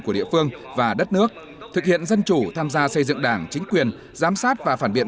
của địa phương và đất nước thực hiện dân chủ tham gia xây dựng đảng chính quyền giám sát và phản biện